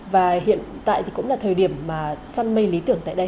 và hiện tại thì cũng là thời điểm mà săn mây lý tưởng tại đây